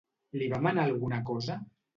Li va manar alguna cosa?